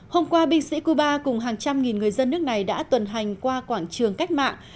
hôm qua binh sĩ cuba cùng hàng trăm nghìn người dân nước này đã tuần hành qua quảng trường cách mạng